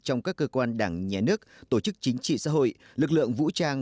trong các cơ quan đảng nhà nước tổ chức chính trị xã hội lực lượng vũ trang